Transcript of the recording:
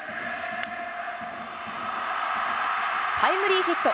タイムリーヒット。